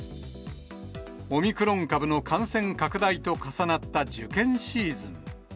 オミクロン株の感染拡大と重なった受験シーズン。